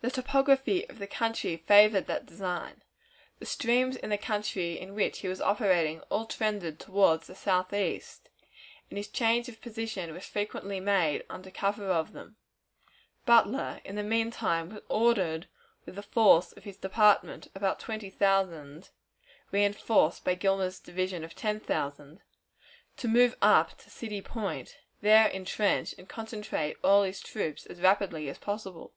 The topography of the country favored that design. The streams in the country in which he was operating all trended toward the southeast, and his change of position was frequently made under cover of them. Butler, in the mean time, was ordered with the force of his department, about twenty thousand, reënforced by Gilmer's division of ten thousand, to move up to City Point, there intrench, and concentrate all his troops as rapidly as possible.